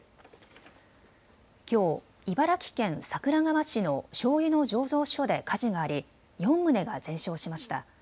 きょう茨城県桜川市のしょうゆの醸造所で火事があり４棟が全焼しました。